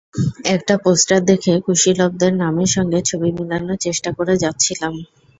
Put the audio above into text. একটা পোস্টার দেখে কুশীলবদের নামের সঙ্গে ছবি মিলানোর চেষ্টা করে যাচ্ছিলাম।